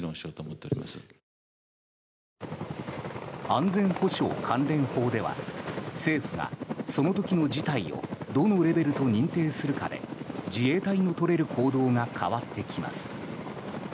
安全保障関連法では政府が、その時の事態をどのレベルと認定するかで自衛隊のとれる行動が変わってきます。